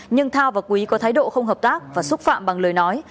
nhưng thao và quý có thái độ không hợp tác và xúc phạm bằng lời nói